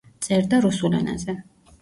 წერდა რუსულ ენაზე.